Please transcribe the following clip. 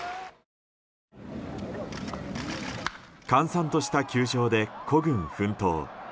閑散とした球場で、孤軍奮闘。